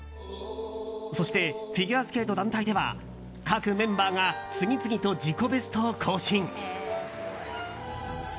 そしてフィギュアスケート団体では各メンバーが次々と自己ベストを更新。